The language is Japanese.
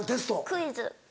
クイズが。